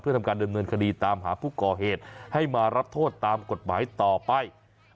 ทำการดำเนินคดีตามหาผู้ก่อเหตุให้มารับโทษตามกฎหมายต่อไป